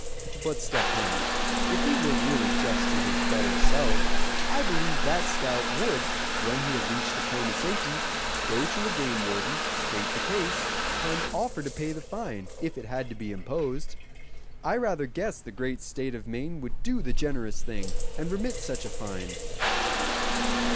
But Step Hen, if he were really just to his better self, I believe that scout would, when he had reached a point of safety, go to a game warden, state the case, and offer to pay the fine, if it had to be imposed. I rather guess the great state of Maine would do the generous thing, and remit such a fine."